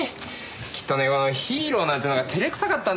きっとねこのヒーローなんてのが照れ臭かったんだな。